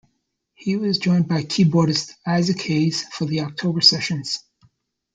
He was joined by keyboardist Isaac Hayes for the October sessions.